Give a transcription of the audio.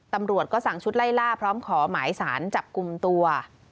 ตำรวจก็สั่งชุดไล่ล่าพร้อมขอหมายสารจับกลุ่มตัว